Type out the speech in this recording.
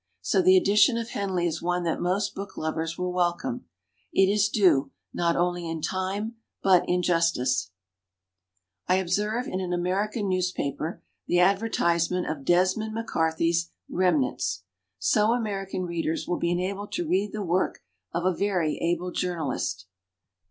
So the edition of Henley is one that most booklovers will welcome. It is due, not only in time, but in justice. *«I observe in an American newspaper the advertisement of Desmond Mac Carthy's "Remnants". So American readers will be enabled to read the work of a very able journalist.